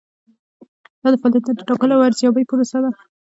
دا د فعالیتونو د ټاکلو او ارزیابۍ پروسه ده.